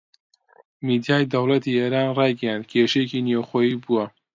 میدیای دەوڵەتی ئێران ڕایگەیاند کێشەیەکی نێوخۆیی بووە